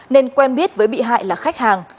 nên quen biết với bị hại là khách hàng